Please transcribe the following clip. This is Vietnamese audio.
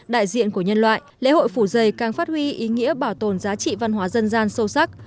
đại diện của nhân loại lễ hội phủ dày càng phát huy ý nghĩa bảo tồn giá trị văn hóa dân gian sâu sắc